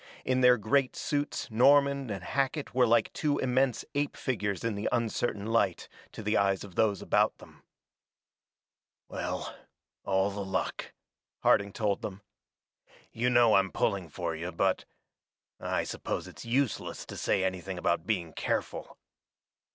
In their great suits Norman and Hackett were like two immense ape figures in the uncertain light, to the eyes of those about them. "Well, all the luck," Harding told them. "You know I'm pulling for you, but I suppose it's useless to say anything about being careful."